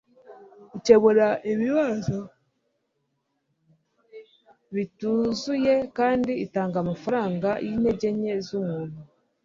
Ikemura ibibazo bituzuye kandi itanga amafaranga y'intege nke z'umuntu. ”